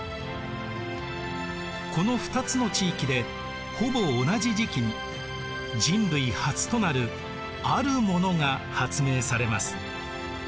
この２つの地域でほぼ同じ時期に人類初となるあるものが発明されます。